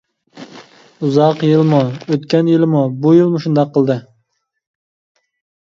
ئۇزاقى يىلىمۇ، ئۆتكەن يىلىمۇ، بۇ يىلمۇ شۇنداق قىلدى.